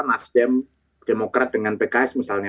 nasdem demokrat dengan pks misalnya